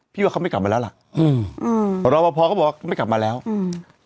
ว่าเขาไม่กลับมาแล้วล่ะอืมอืมรอปภก็บอกว่าไม่กลับมาแล้วอืม